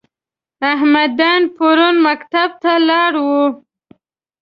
احمدن پرون مکتب ته لاړ و؟